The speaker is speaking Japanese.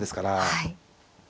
はい。